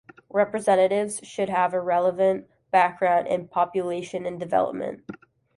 Representatives should have a relevant background in population and development.